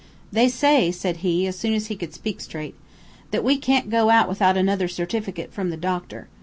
"'They say,' said he, as soon as he could speak straight, 'that we can't go out without another certificate from the doctor.